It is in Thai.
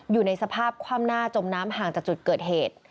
อยู่ในสภาพคว่ำหน้าจมน้ำห่างจากจุดเกิดเหตุ